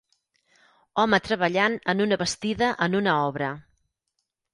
Home treballant en una bastida en una obra.